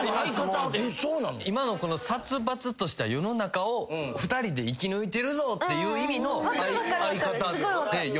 今のこの殺伐とした世の中を２人で生き抜いてるぞっていう意味の「相方」で呼び合ってる。